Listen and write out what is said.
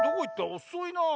おそいなぁ。